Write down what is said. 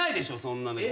そんなの。